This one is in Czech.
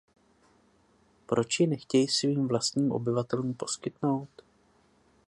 Proč ji nechtějí svým vlastním obyvatelům poskytnout?